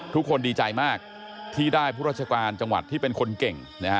ทุกคนดีใจมากที่ได้ผู้ราชการจังหวัดที่เป็นคนเก่ง